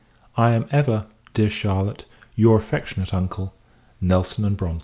I am, ever, dear Charlotte, your affectionate uncle, NELSON & BRONTE.